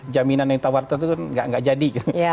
jaminan yang ditawarkan itu gak jadi